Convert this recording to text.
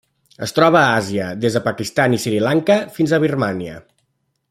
Es troba a Àsia: des del Pakistan i Sri Lanka fins a Birmània.